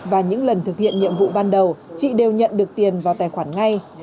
và những lần thực hiện nhiệm vụ ban đầu chị đều nhận được tiền vào tài khoản ngay